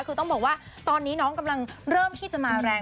คือต้องบอกว่าตอนนี้น้องกำลังเริ่มที่จะมาแรง